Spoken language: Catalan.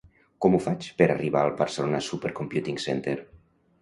Com ho faig per arribar al Barcelona Supercomputing Center?